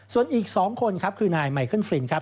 ส่วนอีก๒คนครับคือนายไมเคิลฟรินครับ